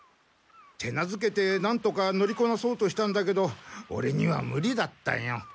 手なずけてなんとか乗りこなそうとしたんだけどオレにはムリだったよ。